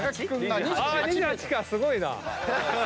２８かすごいな。